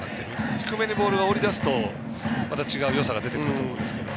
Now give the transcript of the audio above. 低めにボールが下りだすとまた違うよさが出てくると思うんですけど。